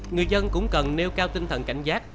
người dân cũng cần nêu cao tinh thần cảnh giác